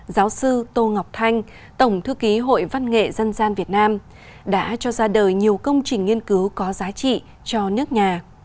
giáo sư tô ngọc thanh tổng thư ký hội văn nghệ dân gian việt nam đã cho ra đời nhiều công trình nghiên cứu có giá trị cho nước nhà